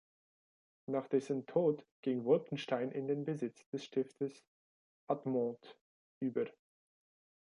Nach dessen Tod ging Wolkenstein in den Besitz des Stiftes Admont über.